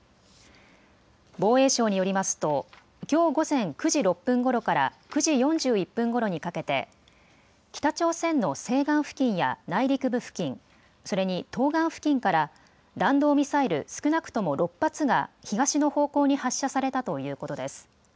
防衛省によりますときょう午前９時６分ごろから９時４１分ごろにかけて北朝鮮の西岸付近や内陸部付近、それに東岸付近から弾道ミサイル少なくとも６発が東の方向に発射されたということです。